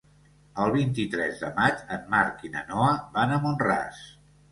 El vint-i-tres de maig en Marc i na Noa van a Mont-ras.